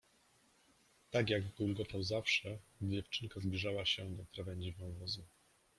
Tak jak gulgotał zawsze, gdy dziewczynka zbliżała się do krawędzi wąwozu.